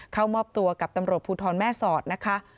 เข้ามอบตัวกับตำรวจภูทรแม่สอดนะคะ